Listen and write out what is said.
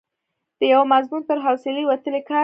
د یوه مضمون تر حوصلې وتلی کار دی.